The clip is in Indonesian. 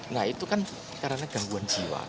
nah itu kan karena gangguan jiwa